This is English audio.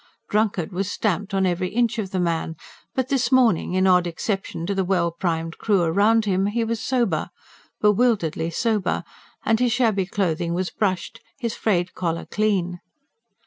Drunkard was stamped on every inch of the man, but this morning, in odd exception to the well primed crew around him, he was sober bewilderedly sober and his shabby clothing was brushed, his frayed collar clean.